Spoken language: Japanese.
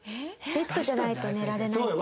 ベッドじゃないと寝られないっていう。